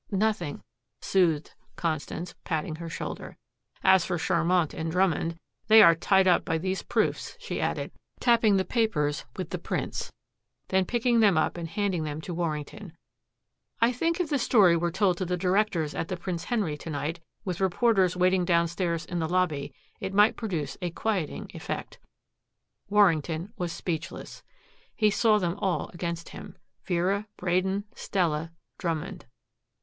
"Nothing," soothed Constance, patting her shoulder. "As for Charmant and Drummond, they are tied by these proofs," she added, tapping the papers with the prints, then picking them up and handing them to Warrington. "I think if the story were told to the directors at the Prince Henry to night with reporters waiting downstairs in the lobby, it might produce a quieting effect." Warrington was speechless. He saw them all against him, Vera, Braden, Stella, Drummond.